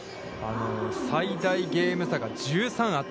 最大ゲーム差が１３あった。